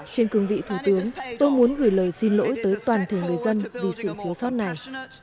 trên cương vị thủ tướng tôi muốn gửi lời xin lỗi tới toàn thể người dân vì sự thiếu sót này